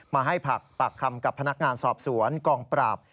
มาให้ปากคำกับพนักงานสอบสวนกองปราบ